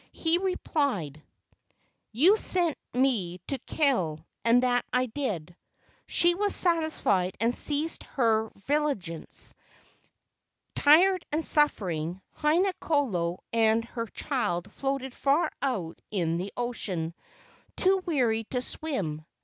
He replied, "You sent me to kill, and that I did." She was satisfied and ceased her vigi¬ lance. Tired and suffering, Haina kolo and her child floated far out in the ocean, too weary to swim.